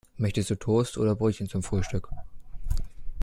Möchtest du Toast oder Brötchen zum Frühstück?